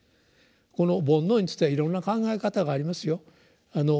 この「煩悩」についてはいろんな考え方がありますよ。